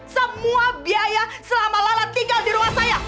semua biaya selama lala tinggal di rumah saya